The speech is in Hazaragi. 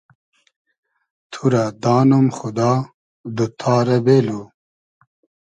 تو رۂ دانوم خودا دوتتا رۂ بېلو